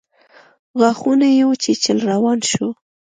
غاښونه يې وچيچل روان شو.